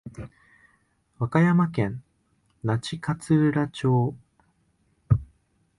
和歌山県那智勝浦町